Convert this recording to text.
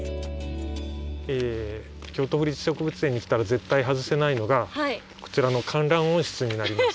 京都府立植物園に来たら絶対外せないのがこちらの観覧温室になります。